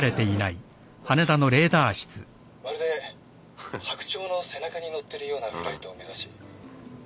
まるで白鳥の背中に乗ってるようなフライトを目指し。